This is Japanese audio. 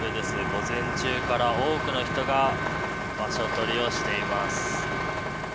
午前中から多くの人が場所取りをしています。